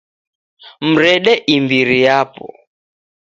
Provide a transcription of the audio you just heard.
Mrede imbiri yapo